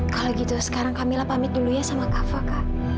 kalau gitu sekarang kamila pamit dulu ya sama kak fah kak